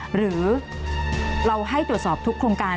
หรือเราให้ตรวจสอบทุกโครงการ